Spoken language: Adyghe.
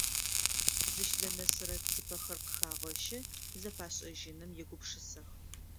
Зыщзэнэсырэ цыпэхэр къыхагъэщы, зэпашӏэжьыным егупшысэх.